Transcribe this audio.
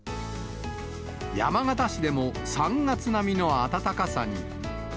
山形市でも、３月並みの暖かさに。